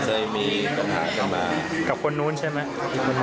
เขาเคยมีปัญหากันมากกับคนนู้นใช่ไหม